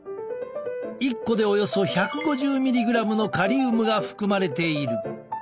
１個でおよそ１５０ｍｇのカリウムが含まれている。